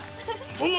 そんな！